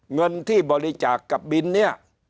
เงินที่บริจาคกับบินเนี่ย